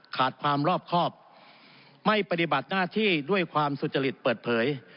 ขาดความรอบครอบไม่ปฏิบัติหน้าที่ด้วยความสุจริตเปิดเผย